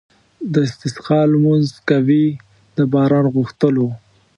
د استسقا لمونځ کوي د باران غوښتلو.